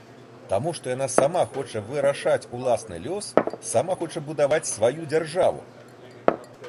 Таму што яна сама хоча вырашаць уласны лёс, сама хоча будаваць сваю дзяржаву.